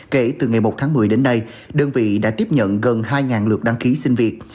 kể từ ngày một tháng một mươi đến nay đơn vị đã tiếp nhận gần hai lượt đăng ký sinh việc